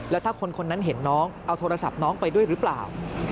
แล้วถ้าคนนั้นเห็นน้องเอาโทรศัพท์น้องไปด้วยหรือเปล่า